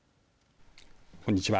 こんにちは。